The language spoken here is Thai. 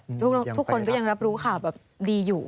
ทุกคนก็ยังรับรู้ข่าวแบบดีอยู่